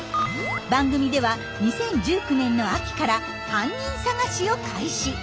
番組では２０１９年の秋から犯人捜しを開始。